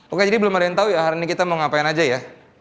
oke jadi belum ada yang tahu ya hari ini kita mau ngapain aja ya